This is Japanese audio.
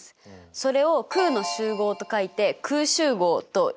それを空の集合と書いて空集合といいますよ。